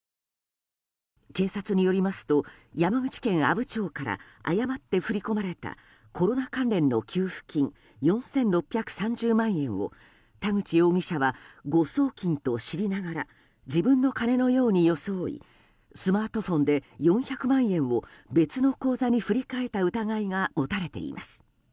警察によりますと山口県阿武町から誤って振り込まれたコロナ関連の給付金４６３０万円を田口容疑者は誤送金と知りながら自分の金のように装いスマートフォンで４００万円を別の口座に振り替えた疑いが持たれています。